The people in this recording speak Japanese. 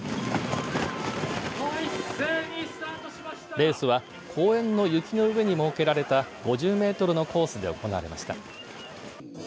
レースは公園の雪の上に設けられた５０メートルのコースで行われました。